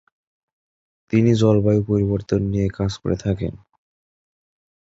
তিনি জলবায়ু পরিবর্তন নিয়ে কাজ করে থাকেন।